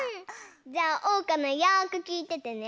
じゃあおうかのよくきいててね。